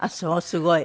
すごい。